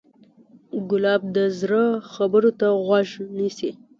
ګلاب د زړه خبرو ته غوږ نیسي.